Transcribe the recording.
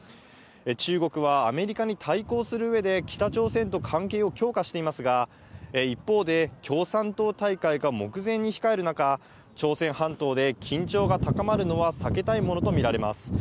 中国はアメリカに対抗するうえで、北朝鮮と関係を強化していますが、一方で共産党大会が目前に控える中、朝鮮半島で緊張が高まるのは避けたいものと見られます。